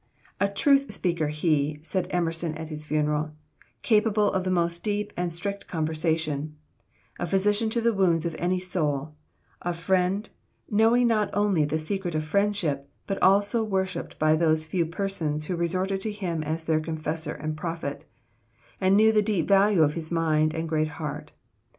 "A truth speaker he," said Emerson at his funeral, "capable of the most deep and strict conversation; a physician to the wounds of any soul; a friend, knowing not only the secret of friendship, but almost worshipped by those few persons who resorted to him as their confessor and prophet, and knew the deep value of his mind and great heart.